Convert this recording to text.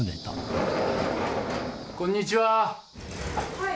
はい。